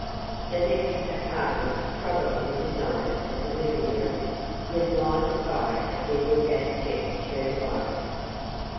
The next apartment, probably designed as a living room, was lighted by a single gas jet turned low.